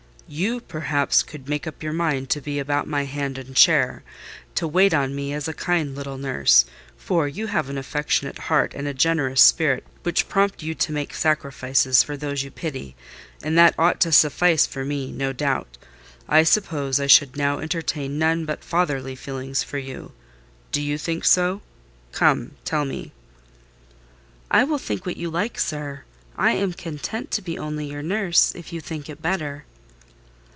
You, perhaps, could make up your mind to be about my hand and chair—to wait on me as a kind little nurse (for you have an affectionate heart and a generous spirit, which prompt you to make sacrifices for those you pity), and that ought to suffice for me no doubt. I suppose I should now entertain none but fatherly feelings for you: do you think so? Come—tell me." "I will think what you like, sir: I am content to be only your nurse, if you think it better."